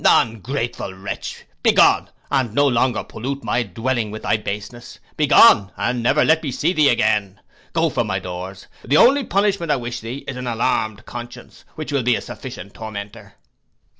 'Ungrateful wretch, begone, and no longer pollute my dwelling with thy baseness. Begone, and never let me see thee again: go from my doors, and the only punishment I wish thee is an alarmed conscience, which will be a sufficient tormentor!